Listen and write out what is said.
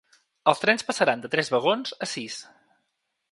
Els trens passaran de tres vagons a sis.